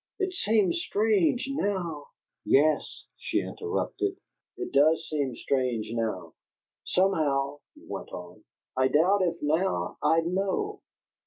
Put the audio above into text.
It seems strange now " "Yes," she interrupted. "It does seem strange now!" "Somehow," he went on, "I doubt if now I'd know."